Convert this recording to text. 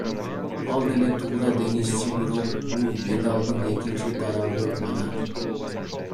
Ал деле туура деңизчи, бирок бул медалдын экинчи тарабы гана.